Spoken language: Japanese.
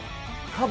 カバ？